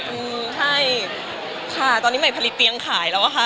อือใช่ค่ะตอนนี้หมายพลิกเตี๊ยงขายแล้วค่ะ